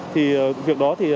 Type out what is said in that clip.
thì việc đó thì đã